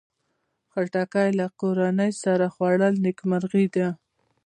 خټکی له کورنۍ سره خوړل نیکمرغي ده.